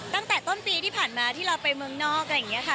ตั้งแต่ต้นปีที่ผ่านมาที่เราไปเมืองนอกอะไรอย่างนี้ค่ะ